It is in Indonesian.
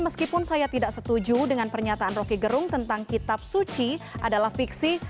meskipun saya tidak setuju dengan pernyataan roky gerung tentang kitab suci adalah fiksi